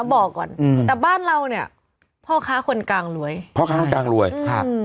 บอกก่อนอืมแต่บ้านเราเนี้ยพ่อค้าคนกลางรวยพ่อค้าคนกลางรวยครับ